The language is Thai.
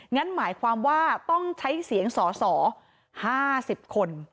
งั้นหมายความว่าต้องใช้เสียงสอสอ๕๐คน